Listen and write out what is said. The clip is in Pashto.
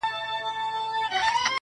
او راته وايي دغه.